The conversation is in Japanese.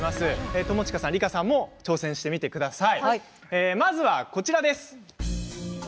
友近さん、梨花さんも挑戦してみてください。